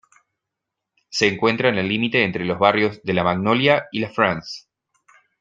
Se encuentra en el límite entre los barrios de La Magnolia y La France.